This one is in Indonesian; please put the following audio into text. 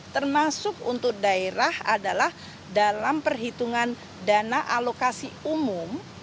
termasuk untuk daerah adalah dalam perhitungan dana alokasi umum